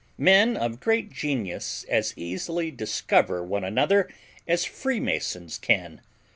Men of great genius as easily discover one another as freemasons can.